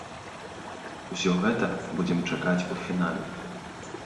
Усё гэта будзем чакаць у фінале.